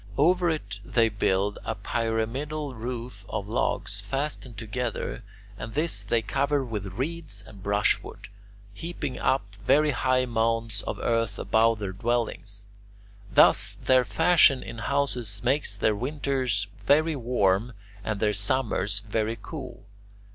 Over it they build a pyramidal roof of logs fastened together, and this they cover with reeds and brushwood, heaping up very high mounds of earth above their dwellings. Thus their fashion in houses makes their winters very warm and their summers very cool.